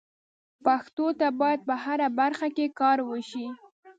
پښتو ته باید په هره برخه کې کار وشي.